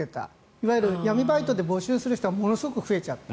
いわゆる闇バイトで募集する人がものすごい増えちゃった。